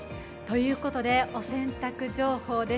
お洗濯情報です。